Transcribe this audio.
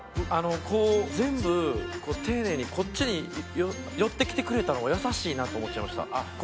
こう全部丁寧にこっちに寄ってきてくれたのが優しいなと思っちゃいました。